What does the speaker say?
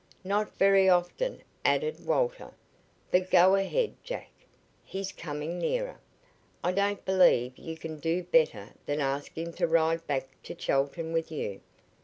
"Not very often," added Walter. "But go ahead, Jack. He's coming nearer. I don't believe you can do better than ask him to ride back to Chelton with you.